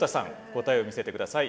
答えを見せてください。